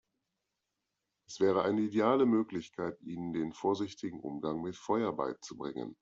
Es wäre eine ideale Möglichkeit, ihnen den vorsichtigen Umgang mit Feuer beizubringen.